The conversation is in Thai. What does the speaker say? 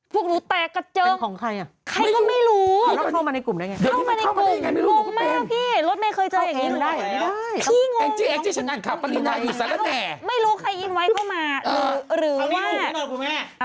พวกหนูแตกกระเจิงใครก็ไม่รู้แล้วเข้ามาในกลุ่มได้ไงรถแม่เคยเจออย่างนี้หรือเปล่าพี่งงไม่รู้ใครอินไว้เข้ามา